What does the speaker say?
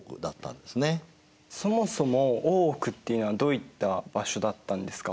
そもそも大奥っていうのはどういった場所だったんですか？